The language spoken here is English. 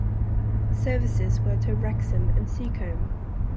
Services were to Wrexham and Seacombe.